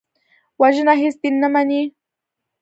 وژنه هېڅ دین نه مني